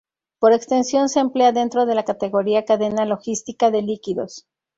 Por extensión se emplea dentro de la categoría "cadena logística de líquidos".